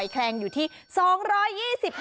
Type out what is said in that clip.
ช่วงตลอด